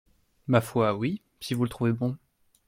Ma foi, oui, si vous le trouvez bon.